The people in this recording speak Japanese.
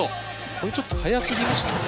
これちょっと早すぎましたね。